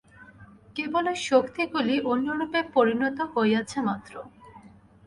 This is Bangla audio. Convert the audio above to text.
কেবল ঐ শক্তিগুলি অন্যরূপে পরিণত হইয়াছে মাত্র।